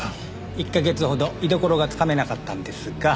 １カ月ほど居所がつかめなかったんですが。